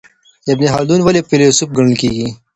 ابن خلدون ولي فیلسوف ګڼل کیږي؟